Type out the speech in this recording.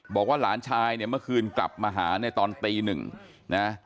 บอกว่าหลานชายเนี่ยเมื่อคืนกลับมาหาในตอนตีหนึ่งนะ